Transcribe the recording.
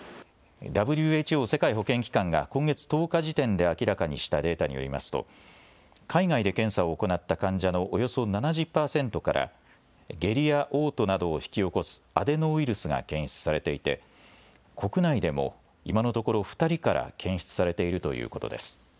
ＷＨＯ・世界保健機関が今月１０日時点で明らかにしたデータによりますと海外で検査を行った患者のおよそ７０％から下痢やおう吐などを引き起こすアデノウイルスが検出されていて国内でも今のところ２人から検出されているということです。